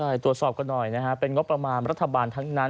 ใช่ตรวจสอบกันหน่อยนะฮะเป็นงบประมาณรัฐบาลทั้งนั้น